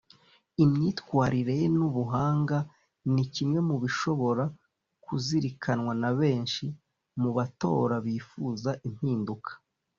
Imyitwarire ye n’ubuhanga ni kimwe mu bishobora kuzirikanwa na benshi mu batora bifuza impinduka